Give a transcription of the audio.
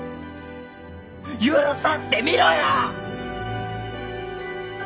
許させてみろよ！